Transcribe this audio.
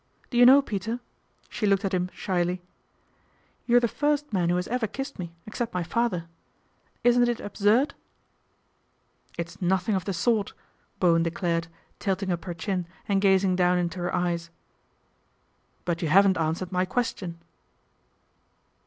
Do you know, Peter," she looked up at him shyly, " you're the first man who has ever kissed me, except my father. Isn't it ab surd ?"" It's nothing of the sort," Bowen declared, tilting up her chin and gazing down into her eyes. " But you haven't answered my question."